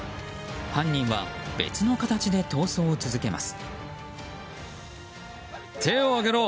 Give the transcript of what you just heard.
犯人は、別の形で逃走を続けます。